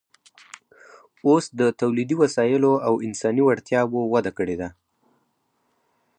اوس د تولیدي وسایلو او انساني وړتیاوو وده کړې ده